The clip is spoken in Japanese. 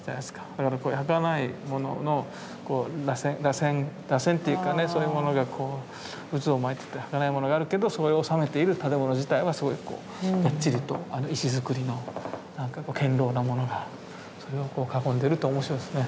だからはかないもののらせんっていうかねそういうものが渦を巻いててはかないものがあるけどそれを収めている建物自体はすごいこうがっちりと石造りの堅ろうなものがそれを囲んでるって面白いですね。